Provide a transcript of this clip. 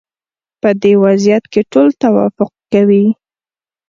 په دې وضعیت کې ټول توافق کوي.